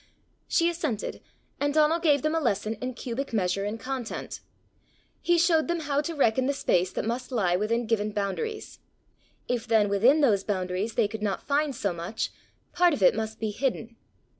She assented, and Donal gave them a lesson in cubic measure and content. He showed them how to reckon the space that must lie within given boundaries: if then within those boundaries they could not find so much, part of it must be hidden.